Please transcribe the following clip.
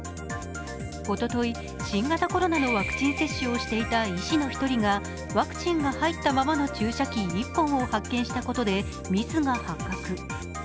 おととい新型コロナのワクチン接種をしていた医師の１人がワクチンが入ったままの注射器１本を発見したことで、ミスが発覚。